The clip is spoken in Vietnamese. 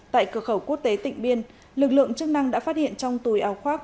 tại cờ khẩu quốc tế tỉnh biên lực lượng chức năng đã phát hiện trong túi áo khoác